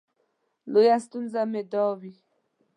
لویه ستونزه مې دا وي.